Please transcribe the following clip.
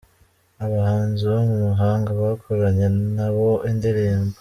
Abahanzi bo mu mahanga bakoranye na bo indirimbo .